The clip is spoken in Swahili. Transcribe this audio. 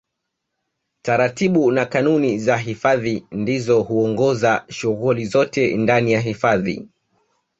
Taratibu na kanuni za hifadhi ndizo huongoza shughuli zote ndani ya hifadhi